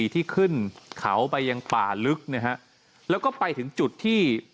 ที่ขึ้นเขาไปยังป่าลึกนะฮะแล้วก็ไปถึงจุดที่